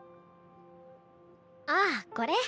ああこれ？